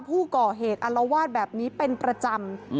ผู้ก่อเหตุอัลวาดแบบนี้เป็นประจำ